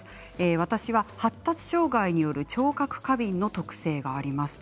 私は発達障害による聴覚過敏の特性があります。